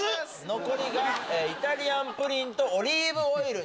残りがイタリアンプリンとオリーブオイル。